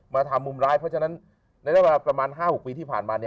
มาทำมุมร้ายเพราะฉะนั้นประมาณ๕๖ปีที่ผ่านมา